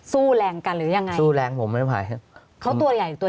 สู้แรงกันหรือยังไงสู้แรงผมไม่ไผ่เขาตัวใหญ่ตัว